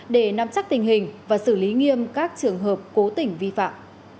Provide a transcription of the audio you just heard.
để nắm chắc tình hình và xử lý nghiêm các trường hợp cố tình vi phạm